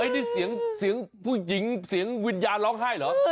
นี่เสียงผู้หญิงเสียงวิญญาณร้องไห้เหรอ